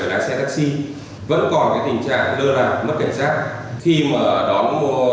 lái xe mất cảnh sát từ đó dẫn tới việc của đối tượng lợi dụng để thực hiện hành vi cướp tài sản